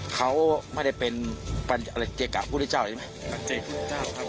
เขาไม่ได้เป็นปัจเจกต์ภูติเจ้าอย่างไร